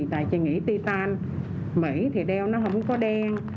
tại chị nghĩ titan mỹ thì đeo nó không có đen